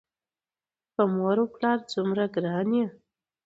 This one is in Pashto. ته په مور و پلار څومره ګران یې؟!